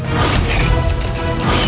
pergi ke melayu